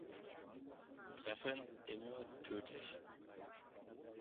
Treffen immer tödlich!